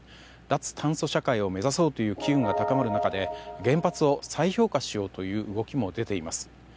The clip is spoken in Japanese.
脱炭素社会を目指そうという機運が高まる中で原発を再評価しようという動きも出ています。